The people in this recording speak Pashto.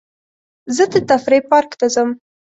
زه د تفریح پارک ته ځم.